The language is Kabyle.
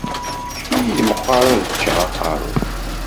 Fket-iyi meqqer ad ččeɣ aqerru.